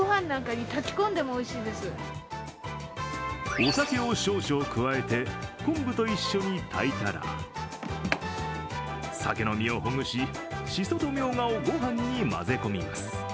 お酒を少々加えて、昆布と一緒に炊いたらさけの身をほぐし、しそとみょうがをご飯に混ぜ込みます。